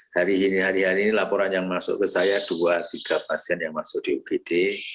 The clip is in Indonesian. hari ini hari hari ini laporan yang masuk ke saya dua tiga pasien yang masuk di ugd